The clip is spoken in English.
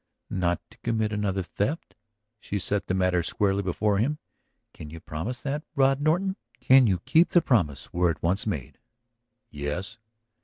"Not to commit another theft?" She set the matter squarely before him. "Can you promise that, Rod Norton? Could you keep the promise were it once made?" "Yes."